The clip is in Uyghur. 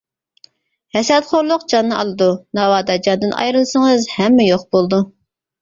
ھەسەتخورلۇق جاننى ئالىدۇ-ناۋادا جاندىن ئايرىلسىڭىز ھەممە يوق بولىدۇ.